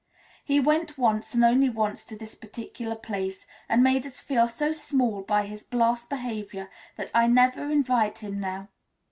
He went once and only once to this particular place, and made us feel so small by his blast behaviour that I never invite him now.